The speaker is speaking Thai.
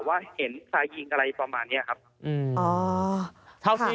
ว่าเห็นชายยิงอะไรประมาณนี้ครับ